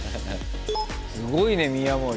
すごいね宮森君。